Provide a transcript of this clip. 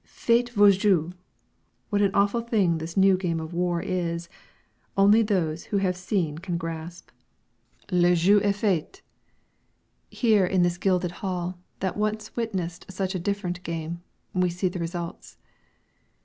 "Faites vos jeux." What an awful thing this new game of War is, only those who have seen can grasp. "Le jeu est fait!" and here in this gilded hall, that once witnessed such a different game, we see the results.